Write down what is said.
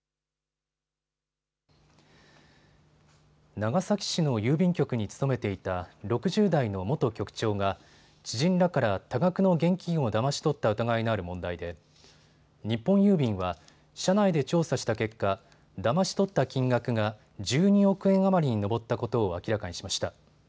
長崎市の郵便局に勤めていた６０代の元局長が知人らから多額の現金をだまし取った疑いのある問題で日本郵便は社内で調査した結果、だまし取った金額が１２億円余りに上ったことを明らかにしました。